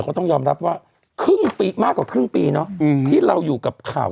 ก็ต้องยอมรับว่าครึ่งปีมากกว่าครึ่งปีเนาะที่เราอยู่กับข่าว